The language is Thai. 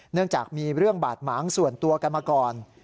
เนื่องจากมีเรื่องบาดหมางส่วนตัวกันมาก่อน